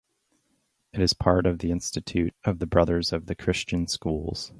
It is part of the Institute of the Brothers of the Christian Schools.